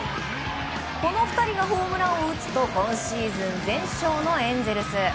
この２人がホームランを打つと今シーズン全勝のエンゼルス。